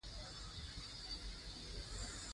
کندز سیند د افغان کلتور سره تړاو لري.